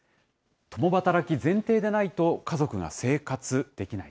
共働き前提でないと家族が生活できない。